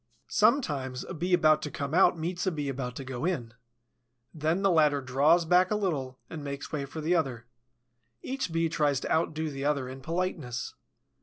Sometimes a Bee about to come out meets a Bee about to go in. Then the latter draws back a little and makes way for the other. Each Bee tries to outdo the other in politeness.